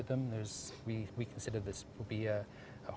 kita menganggap ini sebagai tempat terkenal